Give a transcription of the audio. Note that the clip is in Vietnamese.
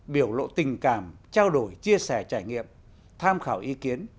biểu lộ tình cảm trao đổi chia sẻ trải nghiệm tham khảo ý kiến